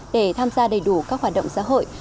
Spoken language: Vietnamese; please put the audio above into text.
để tham gia đầy đủ các hoạt động xã hội